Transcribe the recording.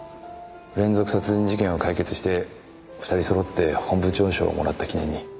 連続殺人事件を解決して２人そろって本部長賞をもらった記念に。